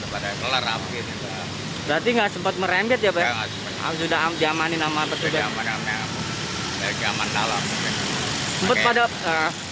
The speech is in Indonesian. berarti nggak sempat merembet ya pak sudah amat diamani nama petugas